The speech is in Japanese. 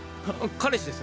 彼氏です。